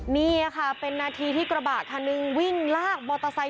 นี่ค่ะเป็นนาทีที่กระบะคันนึงวิ่งลากมอเตอร์ไซค